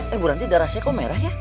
eh buranti darah saya kok merah ya